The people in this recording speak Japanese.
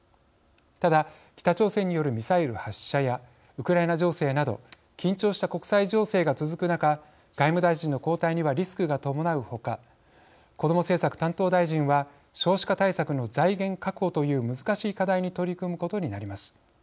ただ北朝鮮によるミサイル発射やウクライナ情勢など緊張した国際情勢が続く中外務大臣の交代にはリスクが伴うほかこども政策担当大臣は少子化対策の財源確保という難しい課題に取り組むことになります。